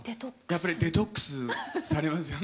やっぱりデトックスされますよね？